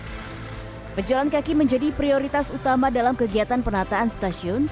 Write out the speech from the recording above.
pejalan kaki menjadi prioritas utama dalam kegiatan penataan stasiun